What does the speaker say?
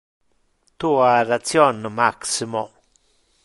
Tu ha ration, Maximo.